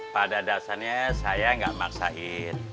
pada dasarnya saya nggak maksain